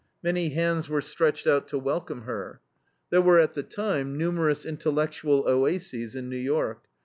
Many hands were stretched out to welcome her. There were at the time numerous intellectual oases in New York.